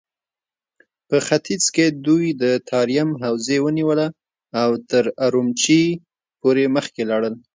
په ختيځ کې دوی د تاريم حوزه ونيوله او تر اورومچي پورې مخکې لاړل.